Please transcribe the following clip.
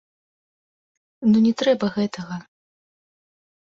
Ну не трэба гэтага.